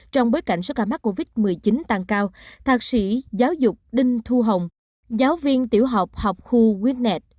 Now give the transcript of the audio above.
trong bối cảnh số ca mắc covid một mươi chín tăng cao thạc sĩ giáo dục đinh thu hồng giáo viên tiểu học học khu quýtnet